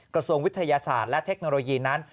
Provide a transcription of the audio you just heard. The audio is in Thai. กระทรวงวิทยาศาสตร์และเทคโนโลยีนั้น